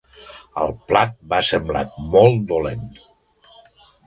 El plat m'ha semblat molt dolent.